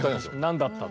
何だったの。